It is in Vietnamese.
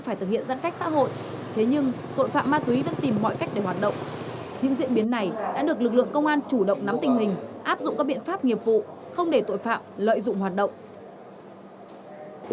phải thực hiện giãn cách xã hội